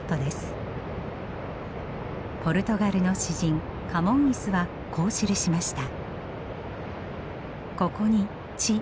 ポルトガルの詩人カモンイスはこう記しました。